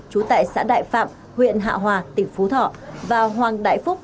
trú tại xã đại phạm huyện hạ hòa tỉnh phú thọ và hoàng đại phúc